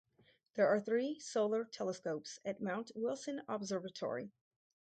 There are three solar telescopes at Mount Wilson Observatory.